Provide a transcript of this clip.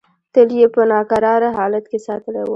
تل یې په ناکراره حالت کې ساتلې وه.